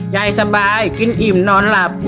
ยายสบายกินอิ่มนอนหลับ